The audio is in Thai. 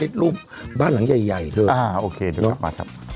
โดนคันนี้อีกนะ